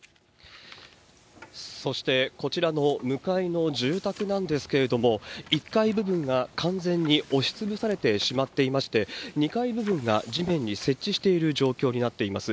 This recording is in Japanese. そして、こちらの向かいの住宅なんですけれども、１階部分が完全に押しつぶされてしまっていまして、２階部分が地面に接地している状況になっています。